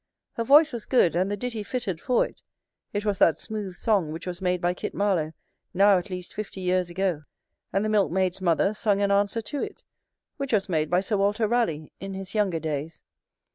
Her voice was good, and the ditty fitted for it; it was that smooth song which was made by Kit Marlow, now at least fifty years ago; and the milk maid's mother sung an answer to it, which was made by Sir Walter Raleigh, in his younger days.